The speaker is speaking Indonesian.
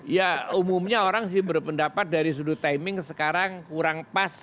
ya umumnya orang sih berpendapat dari sudut timing sekarang kurang pas